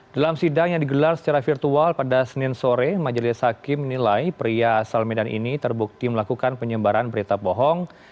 dalam sidang yang digelar secara virtual pada senin sore majelis hakim menilai pria asal medan ini terbukti melakukan penyebaran berita bohong